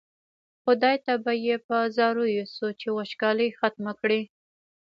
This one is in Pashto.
خدای ته به یې په زاریو شو چې وچکالي ختمه کړي.